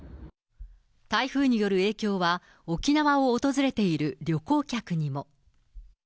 台風による影響は、沖縄を訪れている旅行客にも。